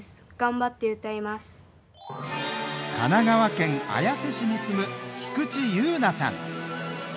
神奈川県綾瀬市に住む菊池優菜さん